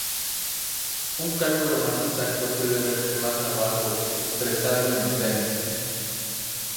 Un cálculo más exacto puede verse más abajo expresado en cents.